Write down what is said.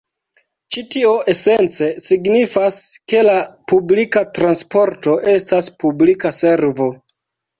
Ĉi tio esence signifas, ke la publika transporto estas publika servo.